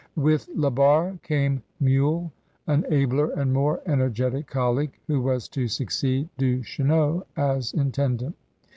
With La Barre came MeuUes, an abler and more energetic colleaguct who was to succeed Duchesneau as intendant.